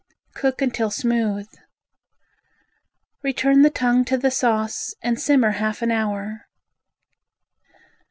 Cook until smooth. Return the tongue to the sauce and simmer half an hour.